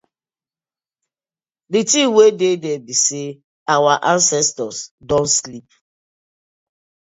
Di tin wey dey dere bi say our ancestors don sleep.